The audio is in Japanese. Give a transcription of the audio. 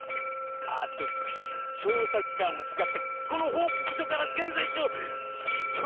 アテクシ調査機関を使ってこの報告書から現在地を突き止めてもらうわよ！